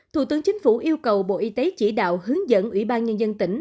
thủ tướng chính phủ yêu cầu bộ y tế chỉ đạo hướng dẫn ủy ban nhân dân tỉnh